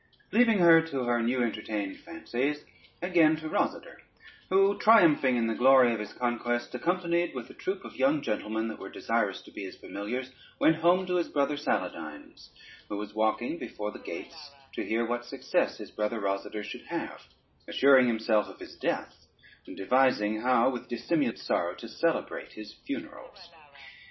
Leaving her to her new entertained fancies, again to Rosader, who triumphing in the glory of this conquest, accompanied with a troop of young gentlemen that were desirous to be his familiars, went home to his brother Saladyne's, who was walking before the gates, to hear what success his brother Rosader should have, assuring himself of his death, and devising how with dissimuled sorrow to celebrate his funerals.